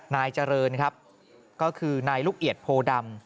นายเจริญครับก็คือนายลูกเอียดโพดำ